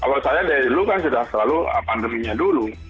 kalau saya dari dulu kan sudah selalu pandeminya dulu